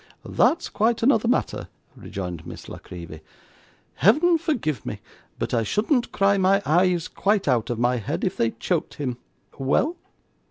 'That's quite another matter,' rejoined Miss La Creevy. 'Heaven forgive me; but I shouldn't cry my eyes quite out of my head, if they choked him. Well?